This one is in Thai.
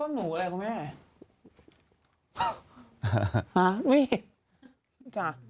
หาไม่เห็น